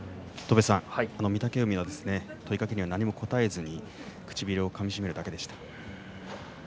御嶽海は問いかけには何も答えずに唇をかみしめるだけでした。